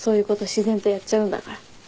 自然とやっちゃうんだから。